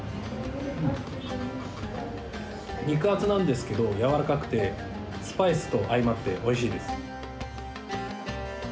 肉厚なんですけど柔らかくてスパイスと相まっておいしいです。